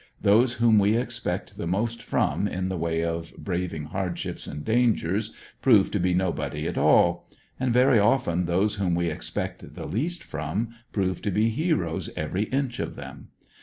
Those whom we expect the most from in the way of br&,ving hardships and dangers, prove to be nobody at all. And very often those whom we expect the least from prove to be heroes every inch of them.